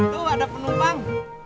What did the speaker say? tuh ada penumpang